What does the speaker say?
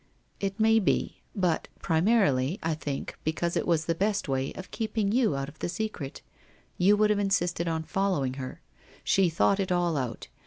' It may be. But, primarily, I think because it was the best way of keeping you out of the secret. You would have insisted on following her. She thought it all out.